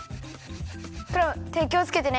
クラムてきをつけてね。